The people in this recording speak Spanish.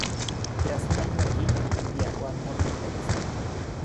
Tras un año allí, viajó al norte de Pakistán.